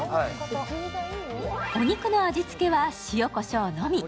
お肉の味付けは塩こしょうのみ。